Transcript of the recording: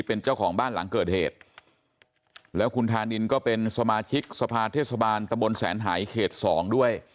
เป็นเจ้าของบ้านหลังเกิดเหตุแล้วคุณธานินก็เป็นสมาชิกสภาเทศบาลตะบนแสนหายเขตสองด้วย